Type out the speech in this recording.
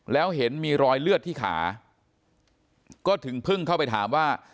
แล้วเห็นมีรอยเลือดที่ขาก็ถึงเพิ่งเข้าไปถามว่า